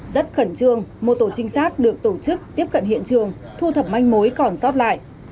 rất khẩn trương một tổ trinh sát được tổ chức tiếp cận hiện trường thu thập manh mối còn sót lại